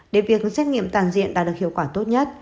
để việc xét nghiệm tàn diệt đạt được hiệu quả tốt nhất